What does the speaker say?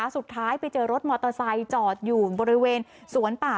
สุดท้ายไปเจอรถมอเตอร์ไซค์จอดอยู่บริเวณสวนป่า